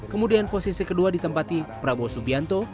kemudian posisi kedua ditempati prabowo subianto